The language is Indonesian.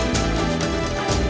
teganya teganya teganya